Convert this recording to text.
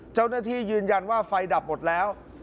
เจ้าหน้าที่ยืนยันว่าไฟดับหมดแล้ว